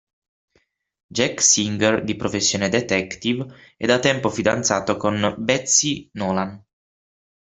Jack Singer, di professione detective, è da tempo fidanzato con Betsy Nolan.